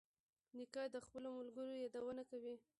نیکه د خپلو ملګرو یادونه کوي.